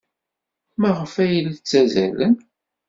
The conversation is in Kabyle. Maɣef ay la ttazzalen?